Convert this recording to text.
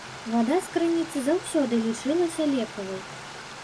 Вада з крыніцы заўсёды лічылася лекавай.